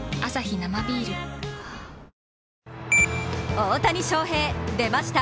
大谷翔平、出ました